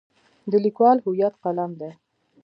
د لیکوال هویت قلم دی.